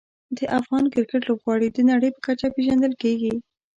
د افغان کرکټ لوبغاړي د نړۍ په کچه پېژندل کېږي.